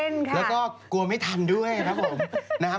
แล้วก็กลัวไม่ทำด้วยครับผม